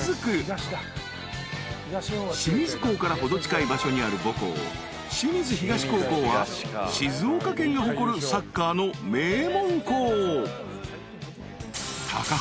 ［清水港から程近い場所にある母校清水東高校は静岡県が誇るサッカーの名門校］